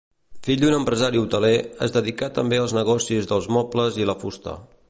Fill d'un empresari hoteler, es dedicà també als negocis dels mobles i la fusta.